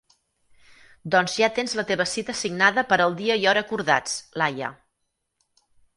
Doncs ja tens la teva cita assignada per al dia i hora acordats, Laia.